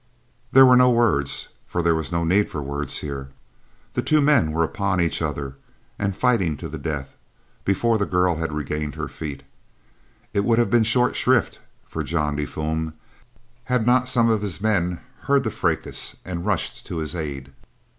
There were no words, for there was no need of words here. The two men were upon each other, and fighting to the death, before the girl had regained her feet. It would have been short shrift for John de Fulm had not some of his men heard the fracas, and rushed to his aid.